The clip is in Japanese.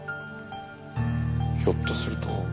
ひょっとすると。